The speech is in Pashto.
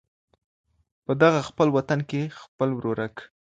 په دغه خپل وطن كي خپل ورورك